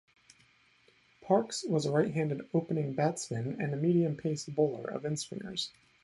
Parks was a right-handed opening batsman and a medium-pace bowler of inswingers.